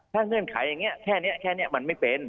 ถ้าเงื่อนไขอย่างนี้แค่นี้แค่นี้มันไม่เป็น